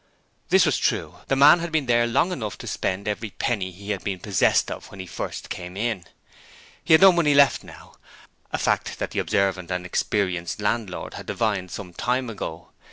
This was true. The man had been there long enough to spend every penny he had been possessed of when he first came: he had no money left now, a fact that the observant and experienced landlord had divined some time ago.